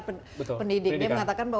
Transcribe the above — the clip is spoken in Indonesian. pendidiknya mengatakan bahwa